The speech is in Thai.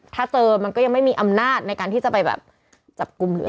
ถ้าเจอมันก็ยังไม่มีอำนาจในการที่จะไปแบบจับกลุ่มหรืออะไร